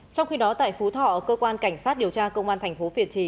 trong khi đó tại phú thọ cơ quan cảnh sát điều tra công an thành phố việt trì